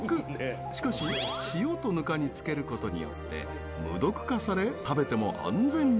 しかし、塩とぬかに漬けることによって無毒化され食べても安全に。